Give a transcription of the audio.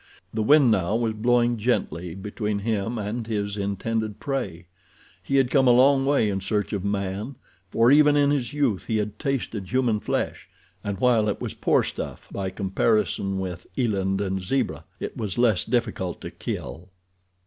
The wind, now, was blowing gently between him and his intended prey. He had come a long way in search of man, for even in his youth he had tasted human flesh and while it was poor stuff by comparison with eland and zebra it was less difficult to kill.